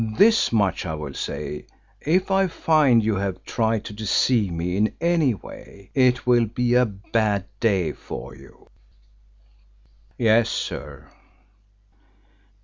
This much I will say: If I find you have tried to deceive me in any way it will be a bad day for you." "Yes, sir."